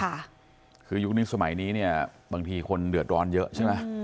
ค่ะคือยุคนี้สมัยนี้เนี่ยบางทีคนเดือดร้อนเยอะใช่ไหม